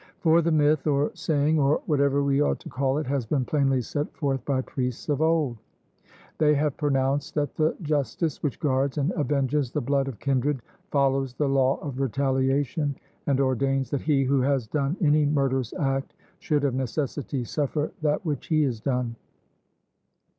For the myth, or saying, or whatever we ought to call it, has been plainly set forth by priests of old; they have pronounced that the justice which guards and avenges the blood of kindred, follows the law of retaliation, and ordains that he who has done any murderous act should of necessity suffer that which he has done.